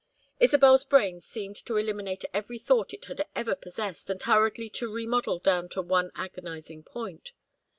Isabel's brain seemed to eliminate every thought it had ever possessed and hurriedly to remodel down to one agonizing point.